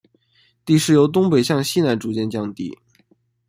地势由东北向西南逐渐降低。